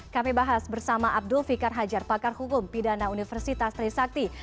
kami bahas bersama abdul fikar hajar pakar hukum pidana universitas trisakti